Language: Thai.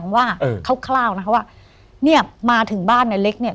ว่าคร่าวนะคะว่าเนี่ยมาถึงบ้านในเล็กเนี่ย